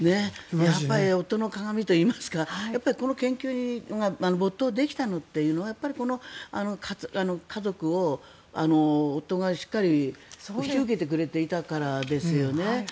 夫の鑑といいますかこの研究に没頭できたというのはこの家族を夫がしっかり引き受けてくれていたからですよね。